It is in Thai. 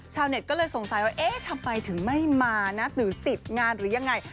ชาวเน็ตก็เลยสงสัยว่าเอ๊ะทำไมถึงไม่มานะหรือติดงานหรือยังไง